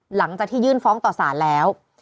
หลังจากที่ยื่นฟ้องต่อสารแล้ว